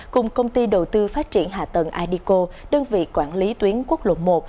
cùng công ty đầu tư phát triển hạ tầng ideco đơn vị quản lý tuyến quốc lộ một